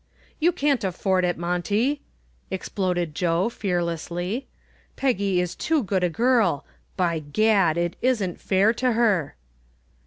"You can't afford it, Monty," exploded Joe, fearlessly. "Peggy is too good a girl. By Gad, it isn't fair to her."